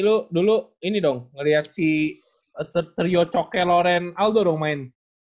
dulu dulu ini dong variasi trio cokke loren aldo dong main